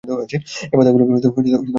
এ বাধাগুলোকে না মানলেও চলে।